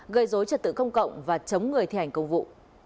gây dối trật tự công cộng và chống người thi hành công vụ